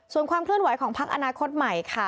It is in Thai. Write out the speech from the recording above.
ส่วนความเคลื่อนไหวของพักอนาคตใหม่ค่ะ